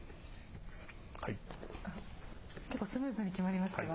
結構スムーズに決まりましたが。